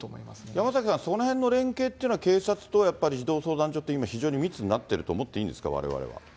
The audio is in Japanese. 山脇さん、そのへんの連携というのは、警察とやっぱり児童相談所って非常に密になっているって思っていいんですか、われわれは。